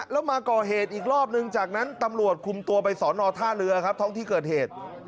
แล้วมาก่อเหตุอีกรอบนึงจากนั้นตำรวจคุมตัวไปสอนอท่าเรือครับท้องที่เกิดเหตุ